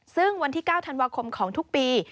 ซึ่งวันที่๙ธันวาคมของทุกปี